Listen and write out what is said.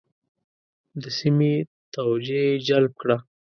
د سیمې توجه یې جلب کړه.